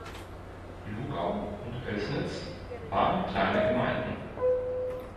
Lugau und Oelsnitz waren kleine Gemeinden.